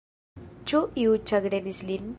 Ĉu iu ĉagrenis lin?